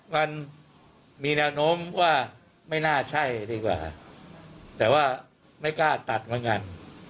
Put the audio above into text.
มันมีแนวโน้มว่าไม่น่าใช่ดีกว่าแต่ว่าไม่กล้าตัดเหมือนกัน